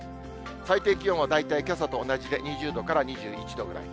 最低気温は大体けさと同じで、２０度から２１度ぐらい。